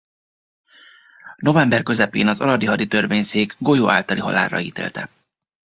November közepén az aradi haditörvényszék golyó általi halálra ítélte.